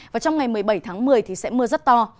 và trong ngày một mươi bảy tháng một mươi thì sẽ mưa rất to